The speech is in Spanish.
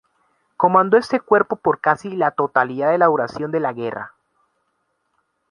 Comandó este Cuerpo por casi la totalidad de la duración de la guerra.